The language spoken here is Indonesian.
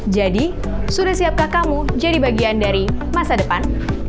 jadi sudah siapkah kamu jadi bagian dari masa depan